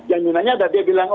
yang sebenarnya ada dia bilang